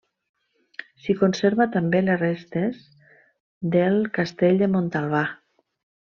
S'hi conserva també les restes del Castell de Montalbà.